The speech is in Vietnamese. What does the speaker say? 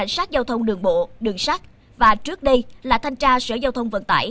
sát giao thông đường bộ đường sát và trước đây là thanh tra sở giao thông vận tải